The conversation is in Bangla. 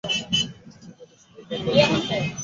কে পাতাসুদ্ধ তার ডাল ছিঁড়েছে?